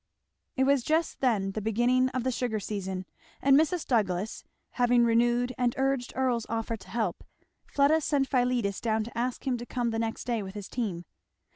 It was just then the beginning of the sugar season; and Mrs. Douglass having renewed and urged Earl's offer of help, Fleda sent Philetus down to ask him to come the next day with his team.